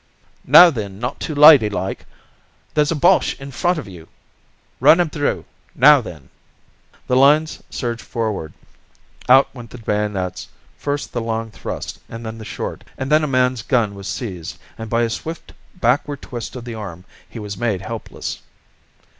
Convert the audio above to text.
"Now, then, not too lidylike! there's a Bosch in front of you! Run 'im through! Now, then!" The lines surged forward, out went the bayonets, first the long thrust and then the short, and then a man's gun was seized and by a swift backward twist of the arm he was made helpless.